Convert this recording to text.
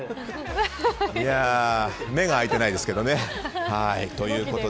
目が開いてないですけどね。